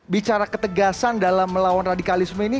bicara ketegasan dalam melawan radikalisme ini